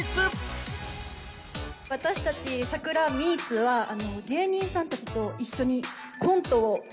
私たち『サクラミーツ』は芸人さんたちと一緒にコントをさせて頂きます。